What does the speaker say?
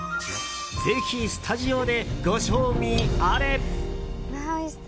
ぜひ、スタジオでご賞味あれ！